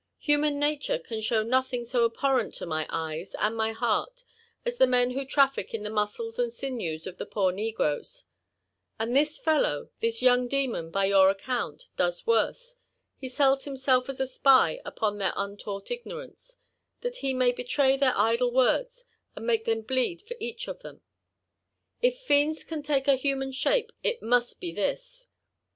Human nature can show nothing 00 abhorrent to my eyea and my heart as the men who traffie in the muscles and sinews of the poor n^oes ; and this fellow, this young demon, by your account, doea worse — he sells himself as a spy upon their untaught ignorance, that he may betray their idle words and make them bleed for each of them ! If fiends can take a human shape, it must be this.